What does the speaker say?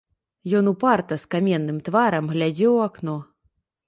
Ён упарта, з каменным тварам, глядзеў у акно.